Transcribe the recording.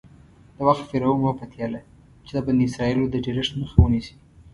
د وخت فرعون وپتېیله چې د بني اسرایلو د ډېرښت مخه ونیسي.